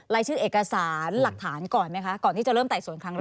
รายชื่อเอกสารหลักฐานก่อนไหมคะก่อนที่จะเริ่มไต่สวนครั้งแรก